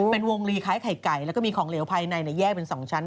เป็นวงลีคล้ายไข่ไก่แล้วก็มีของเหลวภายในแยกเป็น๒ชั้น